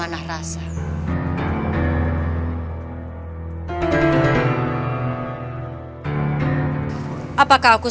aduh sakit wak